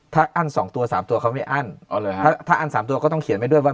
ถ้าอั้น๒ตัว๓ตัวเขาไม่อั้นถ้าอั้น๓ตัวก็ต้องเขียนไว้ด้วยว่า